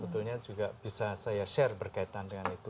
sebetulnya juga bisa saya share berkaitan dengan itu